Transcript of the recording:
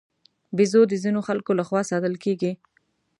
بیزو د ځینو خلکو له خوا ساتل کېږي.